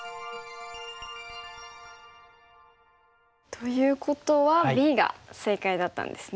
ということはＢが正解だったんですね。